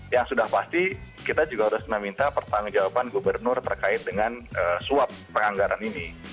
yang sudah pasti kita juga harus meminta pertanggung jawaban gubernur terkait dengan suap penganggaran ini